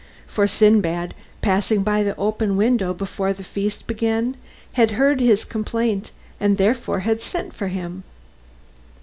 For Sindbad, passing by the open window before the feast began, had heard his complaint and therefore had sent for him.